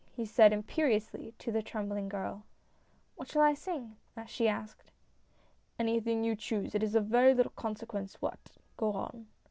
he said imperiously, to the trembling girl. " What shall I sing ?" she asked. " Anything you choose, it is of very little consequence what — go on."